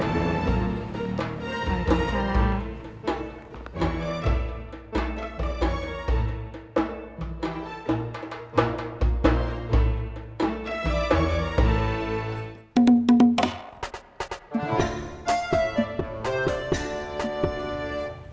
sampai jumpa lagi